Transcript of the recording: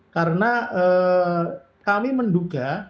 karena kami menduga